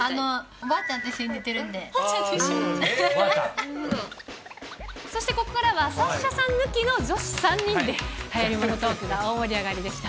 おばあちゃんと一緒に寝てるそしてここからは、サッシャさん抜きの女子３人で、はやりものトークが大盛り上がりでした。